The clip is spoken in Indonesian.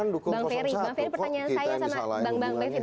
bang ferry pertanyaan saya sama bang befit